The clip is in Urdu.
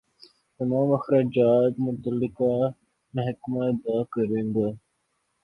تمام اخراجات متعلقہ محکمہ ادا کرے گا۔